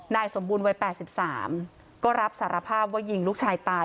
นายสมบูรณ์วัยแปดสิบสามก็รับสารภาพว่ายิงลูกชายตาย